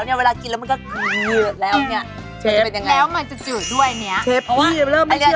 สตรงนี้สตรงนี้มีเชฟกินได้